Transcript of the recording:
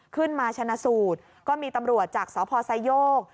ขึ้นมาชนะสูตรก็มีตำรวจจากสพไซโยก